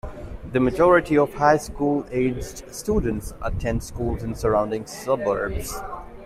The majority of highschool-aged students attend schools in surrounding suburbs.